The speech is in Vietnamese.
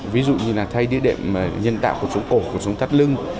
ví dụ như là thay đĩa đệm nhân tạo cuộc sống cổ cuộc sống thắt lưng